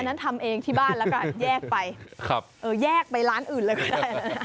งั้นทำเองที่บ้านแล้วกันแยกไปแยกไปร้านอื่นเลยก็ได้